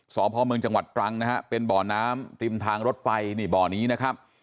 สพเมืองจังหวัดตรังนะฮะเป็นบ่อน้ำริมทางรถไฟนี่บ่อนี้นะครับ